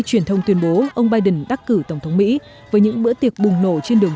truyền thông tuyên bố ông biden đắc cử tổng thống mỹ với những bữa tiệc bùng nổ trên đường